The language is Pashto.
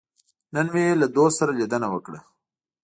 نن مې له دوست سره لیدنه وکړه.